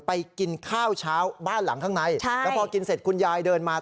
กินข้าวเช้าบ้านหลังข้างในแล้วพอกินเสร็จคุณยายเดินมา